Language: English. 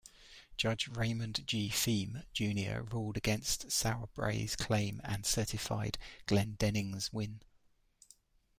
Judge Raymond G. Thieme Junior ruled against Sauerbrey's claim and certified Glendening's win.